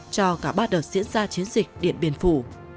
cho cả ba đợt diễn ra chiến dịch điện biên phủ